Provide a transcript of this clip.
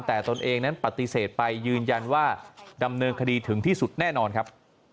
แต่ตนเองนั้นปฏิเสธไปยืนยันว่าดำเนินคดีถึงที่สุดแน่นอนครับ